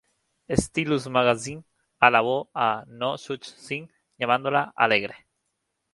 Stylus magazine alabó a "No Such Thing," llamándola "alegre".